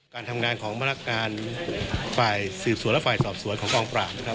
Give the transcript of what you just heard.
การทำงานของพนักงานฝ่ายสืบสวนและฝ่ายสอบสวนของกองปราบนะครับ